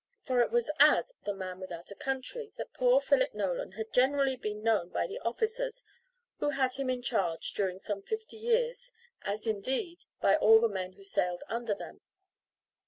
For it was as "The Man without a Country" that poor Philip Nolan had generally been known by the officers who had him in charge during some fifty years, as, indeed, by all the men who sailed under them.